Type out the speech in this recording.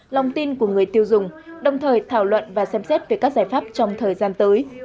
lòng tin của người tiêu dùng đồng thời thảo luận và xem xét về các giải pháp trong thời gian tới